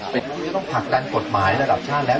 จะต้องผลักดันกฎหมายระดับชาติแล้ว